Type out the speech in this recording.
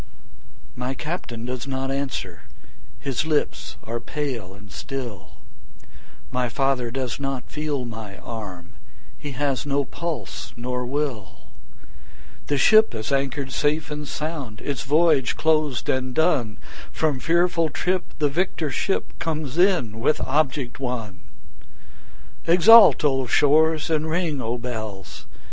My Captain does not answer, his lips are pale and still, My father does not feel my arm, he has no pulse nor will; The ship is anchor'd safe and sound, its voyage closed and done, From fearful trip the victor ship comes in with object won; 20 Exult, O shores! and ring, O bells!